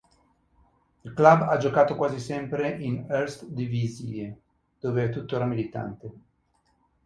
Il club ha giocato quasi sempre in Eerste Divisie, dove è tuttora militante.